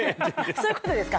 そういうことですか